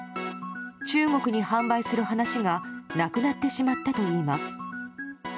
中国に販売する話がなくなってしまったといいます。